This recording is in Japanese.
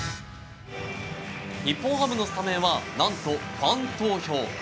日本ハムのスタメンは何と、ファン投票。